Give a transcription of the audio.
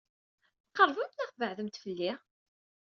Tqeṛbemt neɣ tbeɛdemt fell-i?